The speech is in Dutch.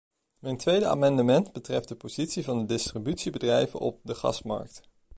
Mijn tweede amendement betreft de positie van distributiebedrijven op de gasmarkt.